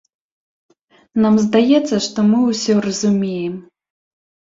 Нам здаецца, што мы ўсё разумеем.